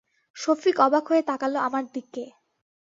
সফিক অবাক হয়ে তাকাল আমার দিকে।